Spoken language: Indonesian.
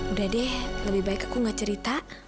udah deh lebih baik aku gak cerita